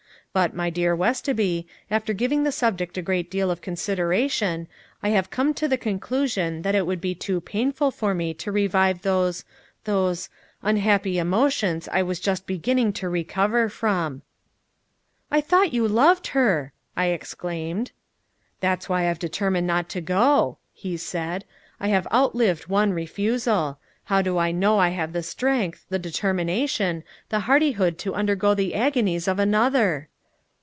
But, my dear Westoby, after giving the subject a great deal of consideration I have come to the conclusion that it would be too painful for me to revive those those unhappy emotions I was just beginning to recover from!" "I thought you loved her!" I exclaimed. "That's why I've determined not to go," he said. "I have outlived one refusal. How do I know I have the strength, the determination, the hardihood to undergo the agonies of another?"